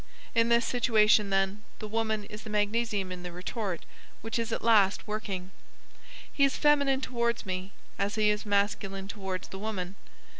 In this situation, then, the woman is the magnesium in the retort, which is at last working. He is feminine towards me, as he is masculine towards the woman.